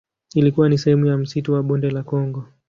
Ilikuwa ni sehemu ya msitu wa Bonde la Kongo.